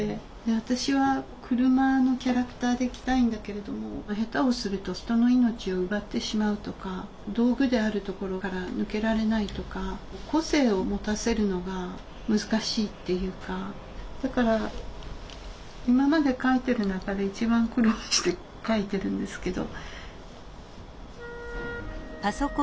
私は車のキャラクターでいきたいんだけれども下手をすると人の命を奪ってしまうとか道具であるところから抜けられないとか個性を持たせるのが難しいっていうかだから今まで書いてる中で一番苦労して書いてるんですけど。